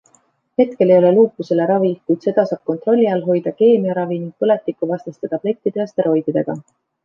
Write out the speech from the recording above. Hetkel ei ole luupusele ravi, kuid seda saab kontrolli all hoida keemiaravi ning põletikuvastaste tablettide ja steroididega.